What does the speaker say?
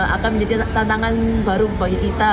akan menjadi tantangan baru bagi kita